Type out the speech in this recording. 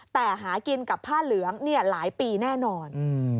แต่หากินกับผ้าเหลืองหลายปีแน่นอน